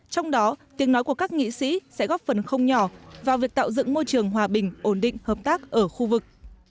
trong đó tiếng nói của các nghị sĩ sẽ góp phần không nhỏ vào việc tạo dựng môi trường hòa bình ổn định hợp tác ở khu vực